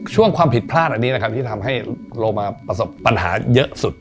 ความผิดพลาดอันนี้นะครับที่ทำให้เรามาประสบปัญหาเยอะสุด